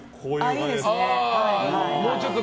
ああ、いいですね。